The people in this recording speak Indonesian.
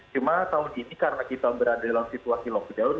cuma tahun ini karena kita berada dalam situasi lockdown